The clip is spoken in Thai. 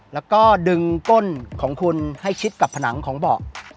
แล้วก็ดึงก้นของคุณให้ชิดกับผนังของเบาะ